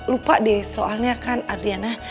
lupa deh soalnya kan adriana